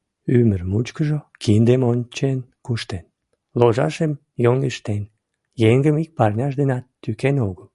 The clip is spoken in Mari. — Ӱмыр мучкыжо киндым ончен куштен, ложашым йоҥыштен, еҥым ик парняж денат тӱкен огыл.